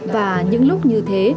và những lúc như thế